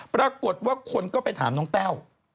ปรากฏว่าคนก็ไปถามน้องแต้ว